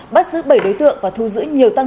bắt giữ bảy đối tượng và thu dụng